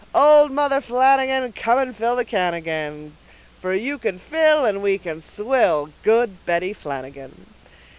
Old mother Flanagan Come and fill the can again! For you can fill, and we can swill, Good Betty Flanagan.